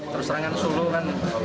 terus serangan solo kan